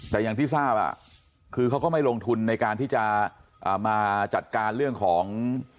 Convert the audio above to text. แต่อย่างที่ทราบคือเขาก็ไม่ลงทุนในการที่จะมาจัดการเรื่องของ